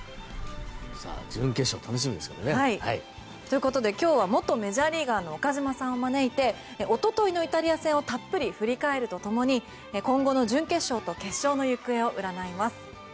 準決勝楽しみですけどね。ということで今日は元メジャーリーガーの岡島さんを招いておとといのイタリア戦をたっぷり振り返るとともに今後の準決勝と決勝の行方を占います。